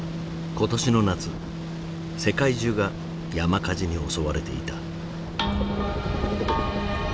今年の夏世界中が山火事に襲われていた。